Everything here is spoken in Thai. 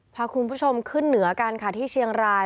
พาคุณผู้ชมขึ้นเหนือกันค่ะที่เชียงราย